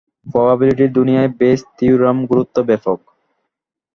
প্রবাবিলিটির দুনিয়ায় Bayes theorem গুরুত্ব ব্যাপক।